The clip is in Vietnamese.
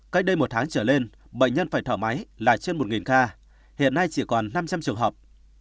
cách đây một tháng trở lên bệnh nhân phải thở máy là trên một ca hiện nay chỉ còn năm trăm linh trường hợp